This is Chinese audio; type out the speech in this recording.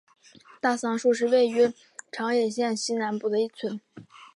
大桑村是位于长野县西南部的一村。